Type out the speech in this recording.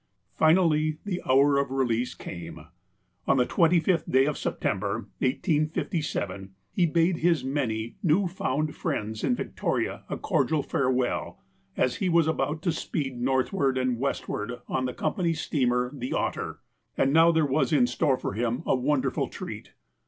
Finally, the hour of release came. On the 25th day of September, 1857, he bade his many new found friends in Victoria a cordial farewell, as he was about to speed northward and westward on the com pany's steamer. The Otter. And now there was in store for him a wonderful treat.